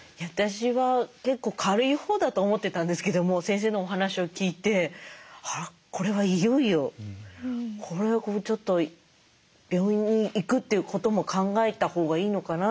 私は結構軽いほうだと思ってたんですけども先生のお話を聞いてこれはいよいよちょっと病院に行くっていうことも考えたほうがいいのかなと。